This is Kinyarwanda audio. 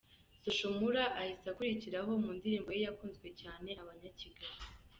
Social Mula ahise akurikiraho mu ndirimbo ye yakunzwe cyane ’Abanyakigali’.